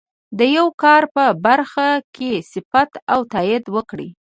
د یوه کار په برخه کې صفت او تایید وکړي.